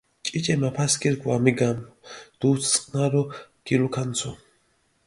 ჭიჭე მაფასქირქ ვამიგამჷ, დუდს წყჷნარო გილუქანცუ.